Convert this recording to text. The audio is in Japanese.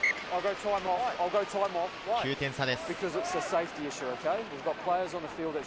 ９点差です。